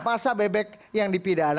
masa bebek yang dipidana